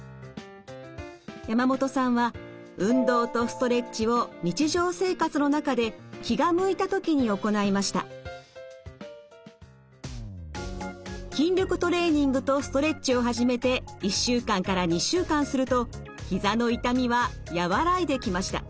山本さんは運動とストレッチを日常生活の中で筋力トレーニングとストレッチを始めて１週間から２週間するとひざの痛みは和らいできました。